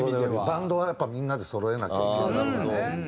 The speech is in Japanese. バンドはやっぱみんなでそろえなきゃいけない。